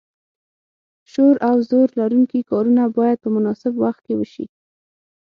شور او زور لرونکي کارونه باید په مناسب وخت کې وشي.